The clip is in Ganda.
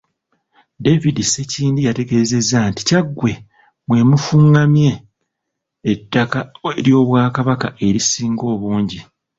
David Sekindi yategeezezza nti Kyaggwe mwe mufungamye ettaka ly'Obwakabaka erisinga obungi.